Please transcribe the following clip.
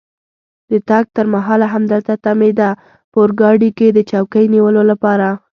د تګ تر مهاله همدلته تمېده، په اورګاډي کې د چوکۍ نیولو لپاره.